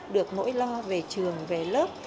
được nỗi lo về trường về lớp